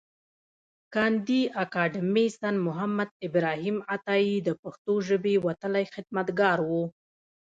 کاندي اکاډميسنمحمد ابراهیم عطایي د پښتو ژبې وتلی خدمتګار و.